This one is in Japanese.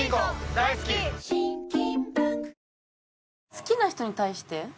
好きな人に対して？